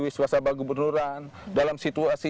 wiswasabah gubernuran dalam situasi